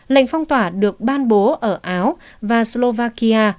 lệnh phong tỏa được ban bố ở áo và slovakia